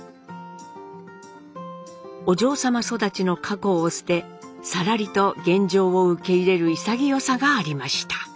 お嬢様育ちの過去を捨てさらりと現状を受け入れる潔さがありました。